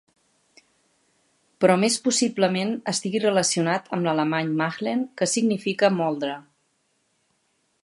Però més possiblement estigui relacionat amb l'alemany "mahlen", que significa "moldre".